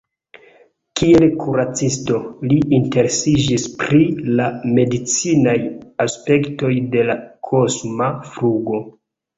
Kiel kuracisto, li interesiĝis pri la medicinaj aspektoj de la kosma flugo.